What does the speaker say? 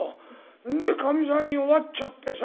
でかみさん弱っちゃってさ。